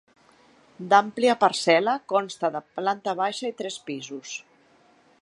D'àmplia parcel·la, consta de planta baixa i tres pisos.